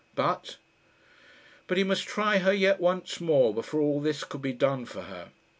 But but he must try her yet once more before all this could be done for her.